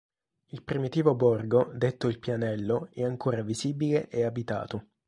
Il primitivo borgo, detto il Pianello, è ancora visibile e abitato.